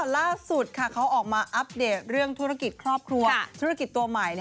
ล่าสุดอะเขาออกมาอัพเดท